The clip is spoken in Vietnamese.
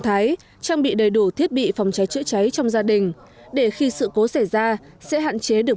thái trang bị đầy đủ thiết bị phòng cháy chữa cháy trong gia đình để khi sự cố xảy ra sẽ hạn chế được